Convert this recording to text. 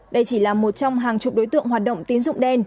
đây chỉ là một trong hàng chục đối tượng hoạt động tín dụng đen